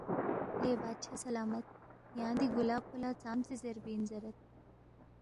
لے بادشاہ سلامت یانگ دی گُلاب پو لہ ژامژے زیربی اِن زیرید